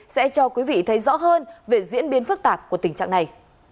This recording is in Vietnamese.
sẽ cho quý vị thấy rõ hơn về diễn biến phức tạp của tình trạng này